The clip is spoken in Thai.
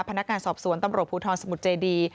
พนักการณ์สอบสวนตำรวจภูทธรรมสมุทรเจดีย์